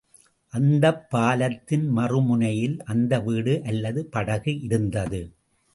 அந்தப் பாலத்தின் மறுமுனையில், அந்த வீடு அல்லது படகு இருந்தது.